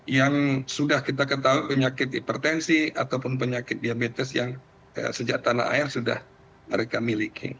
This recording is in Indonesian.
yang sudah kita ketahui penyakit hipertensi ataupun penyakit diabetes yang sejak tanah air sudah mereka miliki